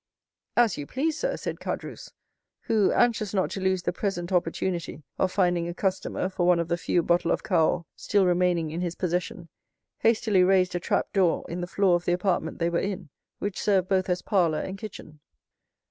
"As you please, sir," said Caderousse, who, anxious not to lose the present opportunity of finding a customer for one of the few bottles of Cahors still remaining in his possession, hastily raised a trap door in the floor of the apartment they were in, which served both as parlor and kitchen.